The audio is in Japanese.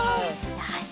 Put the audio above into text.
よし！